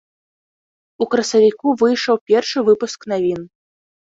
У красавіку выйшаў першы выпуск навін.